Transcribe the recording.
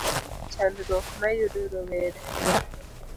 Chandruok ma yudo rowere